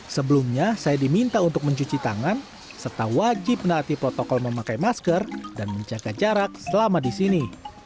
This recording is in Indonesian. sebelumnya saya diminta untuk mencuci tangan serta wajib menaati protokol memakai masker dan menjaga jarak selama di sini